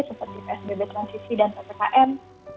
seperti psbb transisi dan ppkm